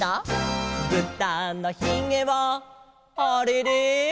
「ぶたのひげはあれれ」